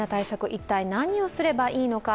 一体何をすればいいのか。